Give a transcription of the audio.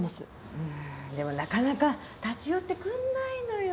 うんでもなかなか立ち寄ってくんないのよ。